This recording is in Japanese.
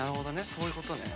そういうことね。